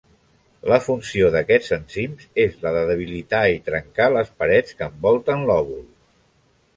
La funció d'aquests enzims és la de debilitar i trencar les parets que envolten l'òvul.